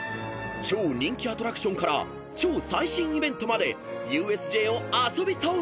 ［超人気アトラクションから超最新イベントまでＵＳＪを遊び倒すぞ！］